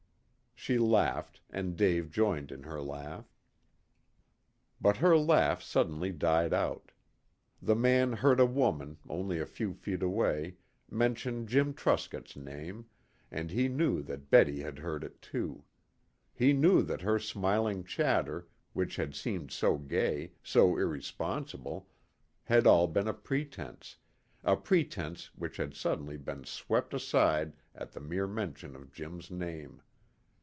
She laughed, and Dave joined in her laugh. But her laugh suddenly died out. The man heard a woman, only a few feet away, mention Jim Truscott's name, and he knew that Betty had heard it too. He knew that her smiling chatter, which had seemed so gay, so irresponsible, had all been pretense, a pretense which had suddenly been swept aside at the mere mention of Jim's name.